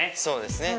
そうです